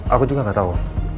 aku juga gak tau